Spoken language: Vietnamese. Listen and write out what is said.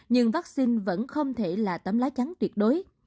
nhưng vắc xin vẫn không thể là tấm lá trắng tuyệt đối